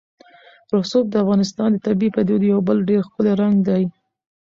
رسوب د افغانستان د طبیعي پدیدو یو بل ډېر ښکلی رنګ دی.